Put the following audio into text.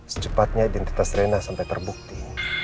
secepatnya identitas rena sampai terbukti